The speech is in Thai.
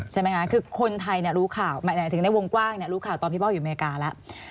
ใช่มั้ยคะคือคนไทยเนี่ยรู้ข่าวหมายถึงในวงกว้างเนี่ยรู้ข่าวตอนพี่ป้ออยู่อเมริกาแล้ว